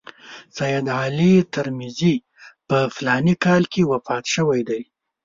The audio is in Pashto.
سید علي ترمذي په فلاني کال کې وفات شوی دی.